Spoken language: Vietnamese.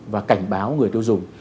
và cảnh báo người tiêu dùng